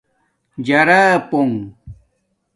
جَارا پُݸنݣ